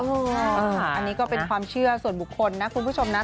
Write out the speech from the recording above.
อันนี้ก็เป็นความเชื่อส่วนบุคคลนะคุณผู้ชมนะ